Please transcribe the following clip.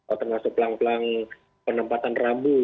atau masuk pelan pelan penempatan rambu